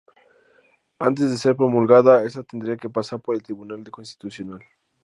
Antes de ser promulgada, esta tendría que pasar por el Tribunal Constitucional.